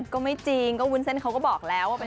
ก็ไม่จริงก็วุ้นเส้นเขาก็บอกแล้วว่า